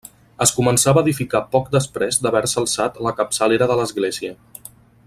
Es començava a edificar poc després d'haver-se alçat la capçalera de l'església.